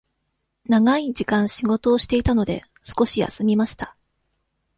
長い時間仕事をしていたので、少し休みました。